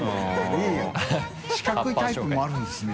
いい「四角いタイプもあるんですね」